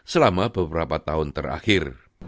selama beberapa tahun terakhir